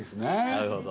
なるほど。